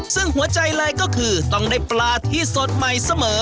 ซึ่งหัวใจเลยก็คือต้องได้ปลาที่สดใหม่เสมอ